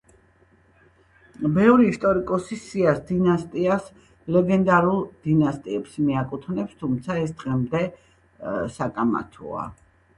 ბევრი ისტორიკოსი სიას დინასტიას ლეგენდარულ დინასტიებს მიაკუთვნებს, თუმცა ეს დღემდე საკამათოა.